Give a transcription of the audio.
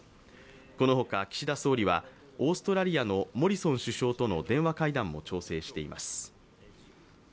この他、岸田総理はオーストラリアのモリソン首相との電話会談も調整しています。